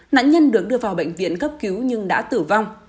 nạn nhân được đưa vào bệnh viện cấp cứu nhưng đã tử vong